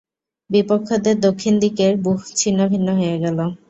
বিপক্ষদের দক্ষিণ দিকের ব্যূহ ছিন্নভিন্ন হইয়া গেল।